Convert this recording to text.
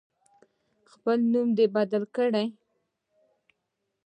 خپل نوم دی بدل کړي.